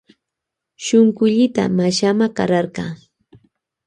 Shunkullita mashama kararka.